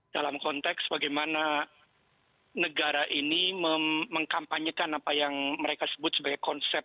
dalam konteks bagaimana negara ini mengkampanyekan apa yang mereka sebut sebagai konsep